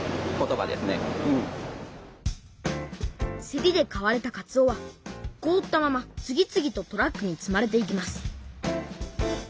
せりで買われたかつおはこおったまま次々とトラックに積まれていきます